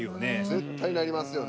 絶対なりますよね。